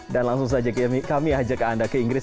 dan langsung saja kami ajak anda ke inggris